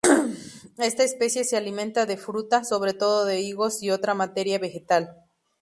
Esta especie se alimenta de fruta, sobre todo de higos, y otra materia vegetal.